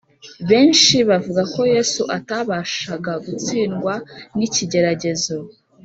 Benshi bavuga ko Yesu atabashaga gutsindwa n’ikigeragezo